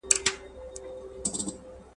په هغه ګړي قیامت وو ما لیدلی !.